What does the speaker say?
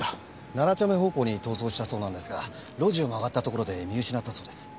７丁目方向に逃走したそうなんですが路地を曲がったところで見失ったそうです。